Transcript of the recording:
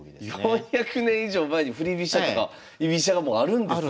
４００年以上前に振り飛車とか居飛車がもうあるんですね。